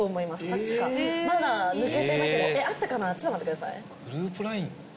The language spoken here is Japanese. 確かまだ抜けてなければえっあったかなちょっと待ってくださいグループＬＩＮＥ？